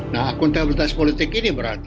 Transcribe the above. nah akuntabilitas politik ini berarti